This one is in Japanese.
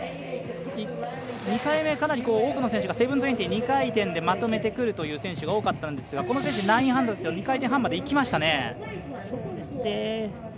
２回目、かなり多くの選手が７２０、２回転でまとめてくるという選手が多かったんですがこの選手９００、２回転半までいきましたね。